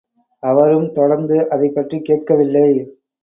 அவரும் தொடர்ந்து அதைப் பற்றிக் கேட்கவில்லை.